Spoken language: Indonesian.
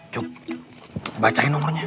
cuk bacain nomornya